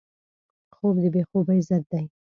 خوب د بې خوبۍ ضد دی